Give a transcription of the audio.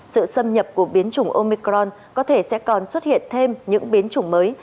sự xâm nhập của biến chủng omicron có thể sẽ còn xuất hiện thêm những biến chủng mới